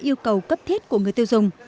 yêu cầu cấp thiết của người tiêu dùng